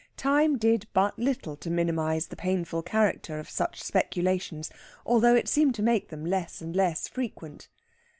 Time did but little to minimise the painful character of such speculations, although it seemed to make them less and less frequent.